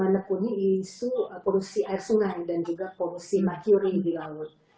menekuni isu polusi air sungai dan juga polusi makyuri di laut